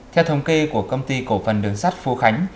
theo thống kê của công ty cổ phần đường sắt phú khánh